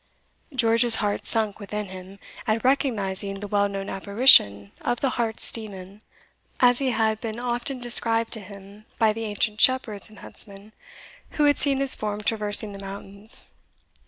George's heart sunk within him at recognising the well known apparition of the Harz demon, as he had been often described to him by the ancient shepherds and huntsmen who had seen his form traversing the mountains.